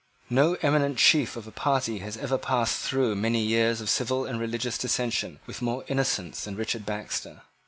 No eminent chief of a party has ever passed through many years of civil and religious dissension with more innocence than Richard Baxter.